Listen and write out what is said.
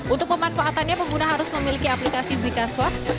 untuk pemanfaatannya pengguna harus memiliki aplikasi wikaswap